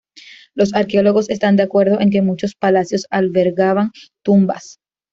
Los arqueólogos están de acuerdo en que muchos palacios albergaban tumbas.